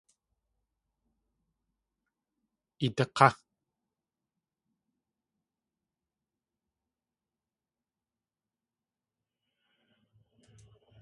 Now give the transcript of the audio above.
Idak̲á!